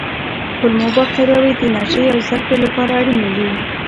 کولمو بکتریاوې د انرژۍ او زده کړې لپاره اړینې دي.